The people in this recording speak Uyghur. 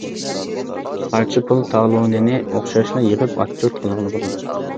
پارچە پۇل تالونىنى ئوخشاشلا يىغىپ ئاتچوت قىلغىلى بولىدۇ.